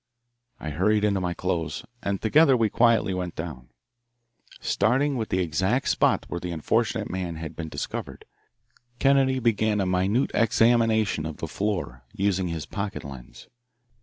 I hurried into my clothes, and together we quietly went down. Starting with the exact spot where the unfortunate man had been discovered, Kennedy began a minute examination of the floor, using his pocket lens.